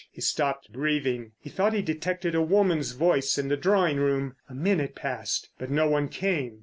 He stopped breathing. He thought he detected a woman's voice in the drawing room. A minute passed, but no one came.